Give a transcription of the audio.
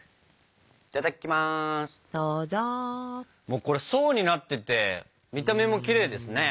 もうこれ層になってて見た目もきれいですね。